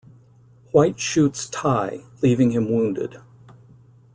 White shoots Tai leaving him wounded.